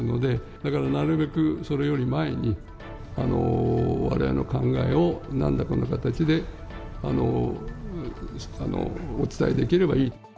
だからなるべくそれより前に、われわれの考えをなんらかの形で、お伝えできればいい。